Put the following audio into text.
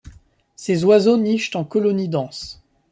Ces oiseaux nichent en colonies denses.